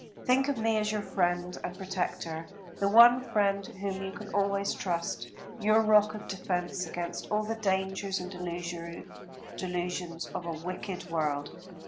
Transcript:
Think of me as your friend and protector, the one friend whom you can always trust, your rock of defence against all the dangers and delusions of a wicked world.